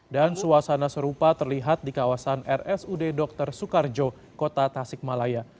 dan suasana serupa terlihat di kawasan rsud dr sukarjo kota tasikmalaya